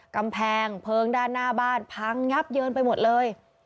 กำแพงเพลิงด้านหน้าบ้านพังยับเยินไปหมดเลย